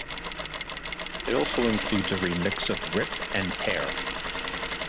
It also includes a remix of "Rip and Tear".